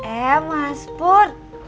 eh mas put